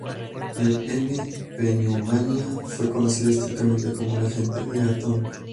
El "M. pneumoniae" fue conocido históricamente como un "agente de Eaton".